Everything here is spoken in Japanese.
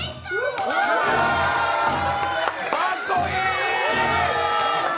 かっこいい！